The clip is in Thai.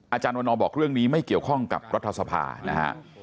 อาจารย์วันนอบอกเรื่องนี้ไม่เกี่ยวข้องกับรัฐสภานะฮะ